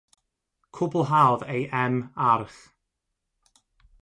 Cwblhaodd ei M.Arch.